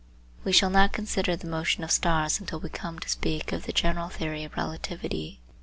We shall not consider the motion of stars until we come to speak of the general theory of relativity.